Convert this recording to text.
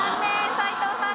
斎藤さん